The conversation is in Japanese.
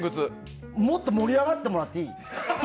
もっと盛り上がってもらっていい？